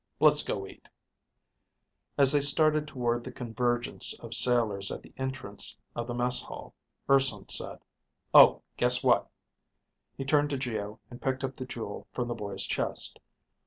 Let's go eat." As they started toward the convergence of sailors at the entrance of the mess hall, Urson said, "Oh, guess what?" He turned to Geo and picked up the jewel from the boy's chest.